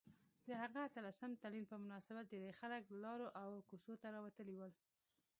د هغه اتلسم تلین په مناسبت ډیرۍ خلک لارو او کوڅو ته راوتلي ول